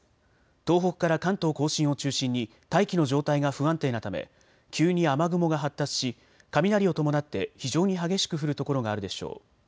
東北から関東甲信を中心に大気の状態が不安定なため急に雨雲が発達し雷を伴って非常に激しく降る所があるでしょう。